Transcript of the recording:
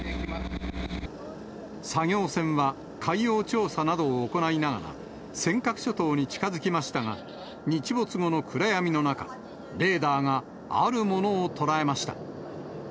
作業船は海洋調査などを行いながら、尖閣諸島に近づきましたが、日没後の暗闇の中、レーダーがあるものを捉えました。